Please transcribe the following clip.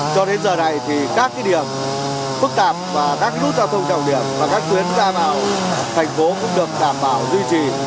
cho đến giờ này thì các điểm phức tạp mà các nút giao thông trọng điểm và các tuyến ra vào thành phố cũng được đảm bảo duy trì